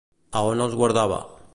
A on els guardava?